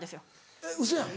えっウソやん。